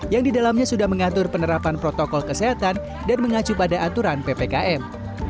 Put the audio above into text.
yang didalamnya sudah mengatur penerapan protokol kesehatan dan mengacu pada aturan ppkm